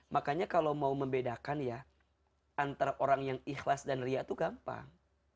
makanya kalau mau membedakan ya antara orang yang ikhlas dan riak itu gampang